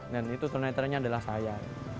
dan itu tunar netranya adalah saya